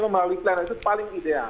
memang melalui klien itu paling ideal